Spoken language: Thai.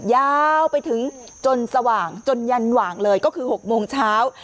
ยาวไปถึงจนสว่างจนยันหว่างเลยก็คือ๖โมงเช้า